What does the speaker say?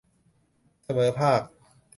เสมอภาค